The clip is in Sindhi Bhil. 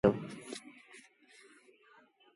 ٻي گير ميݩ ٿورو وڌيڪ ڀڄي دو۔